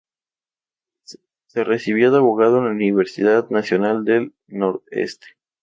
Se recibió de abogado en la Universidad Nacional del Nordeste.